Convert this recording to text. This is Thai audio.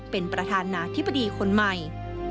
เป็นประธานาธิบดีคนใหม่